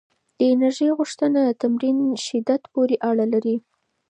د انرژۍ غوښتنه د تمرین شدت پورې اړه لري؟